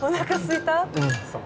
うんそう。